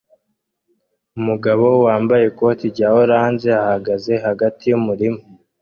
Umugabo wambaye ikoti rya orange ahagaze hagati yumurima